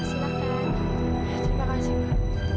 terima kasih mak